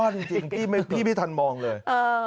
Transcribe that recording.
โอ้โฮเธอนี่สุดยอดจริงพี่ไม่ทันมองเลย